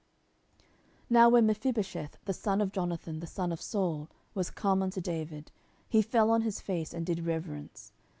10:009:006 Now when Mephibosheth, the son of Jonathan, the son of Saul, was come unto David, he fell on his face, and did reverence.